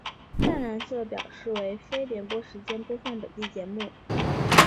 淡蓝色表示为非联播时间播放本地节目。